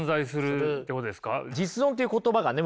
実存という言葉がね